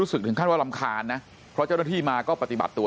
รู้สึกถึงขั้นว่ารำคานนะเพราะเจ้าละที่มาก็ปฏิบัติตัว